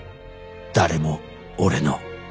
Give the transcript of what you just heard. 誰も俺の